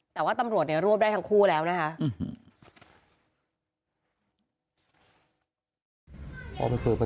แต่ว่าตำรวจเนี่ยรวบได้ทั้งคู่แล้วนะคะ